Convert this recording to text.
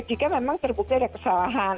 jika memang terbukti ada kesalahan